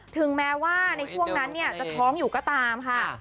ถึงแม้ว่าในช่วงนั้นจะท้องอยู่ก็ตามค่ะ